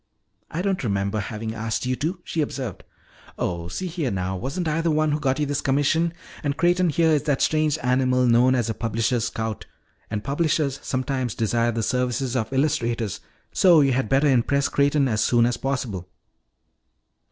"I don't remember having asked you to," she observed. "Oh, see here now, wasn't I the one who got you this commission? And Creighton here is that strange animal known as a publisher's scout. And publishers sometimes desire the services of illustrators, so you had better impress Creighton as soon as possible.